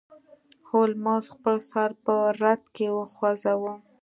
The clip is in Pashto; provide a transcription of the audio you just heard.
هولمز خپل سر په رد کې وخوزاوه.